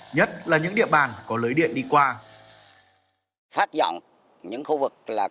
nhất là những địa bàn có lưới điện đi qua